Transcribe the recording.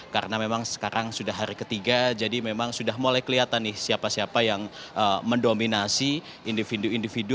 karena memang sekarang sudah hari ketiga jadi memang sudah mulai kelihatan nih siapa siapa yang mendominasi individu individu